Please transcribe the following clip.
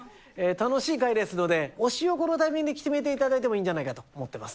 楽しい回ですので、推しをこのタイミングで決めていただいてもいいんじゃないかと思ってます。